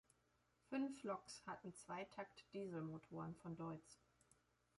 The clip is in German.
Fünf Loks hatten Zweitakt-Dieselmotoren von Deutz.